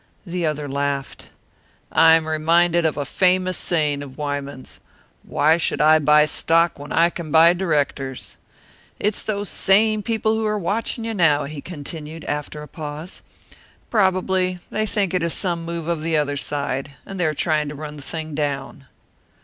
The other laughed. "I am reminded of a famous saying of Wyman's, 'Why should I buy stock when I can buy directors?'" "It's those same people who are watching you now," he continued, after a pause. "Probably they think it is some move of the other side, and they are trying to run the thing down."